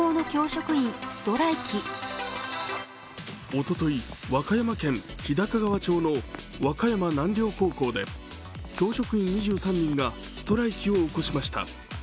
おととい、和歌山県日高川町の和歌山南陵高校で教職員２３人がストライキを起こしました。